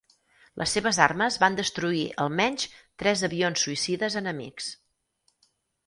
Les seves armes van destruir al menys tres avions suïcides enemics.